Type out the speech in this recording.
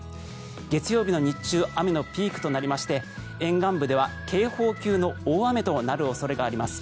月曜日の日中雨のピークとなりまして沿岸部では警報級の大雨となる恐れがあります。